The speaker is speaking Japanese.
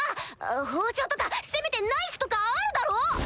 包丁とかせめてナイフとかあるだろ